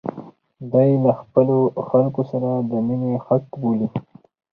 دا یې له خپلو خلکو سره د مینې حق بولي.